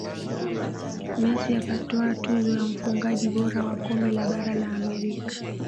messi akatwaa tuzo ya mfungaji bora wa kombe la bara la amerika